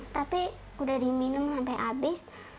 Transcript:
tapi udah diminum sampe abis